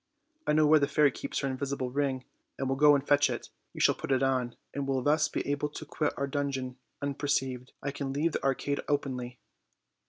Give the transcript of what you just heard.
I know where the fairy keeps her invisible ring, and will go and fetch it. You shall put it on, and will thus be able to quit your dungeon uuperceived; I can leave the arcade openly."